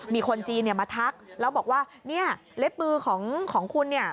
มีคนจีนเนี่ยมาทักแล้วบอกว่าเนี่ยเล็บมือของคุณเนี่ย